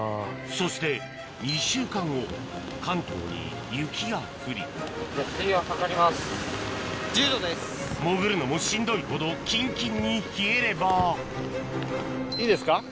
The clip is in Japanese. そして２週間後関東に雪が降り潜るのもしんどいほどキンキンに冷えればいいですか？